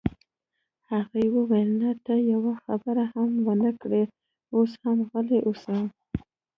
هغې وویل: نه، ته یوه خبره هم ونه کړې، اوس هم غلی اوسه.